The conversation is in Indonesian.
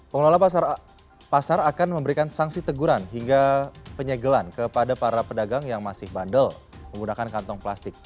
pengelola pasar akan memberikan sanksi teguran hingga penyegelan kepada para pedagang yang masih bandel menggunakan kantong plastik